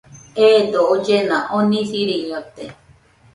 Eedo ollena oni siriñote.